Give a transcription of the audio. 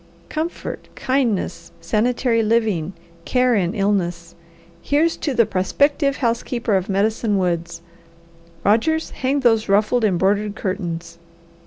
Comfort, kindness, sanitary living, care in illness! Here's to the prospective housekeeper of Medicine Woods! Rogers, hang those ruffled embroidered curtains.